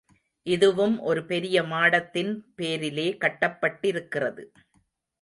இதுவும் ஒரு பெரிய மாடத்தின் பேரிலே கட்டப்பட்டிருக்கிறது.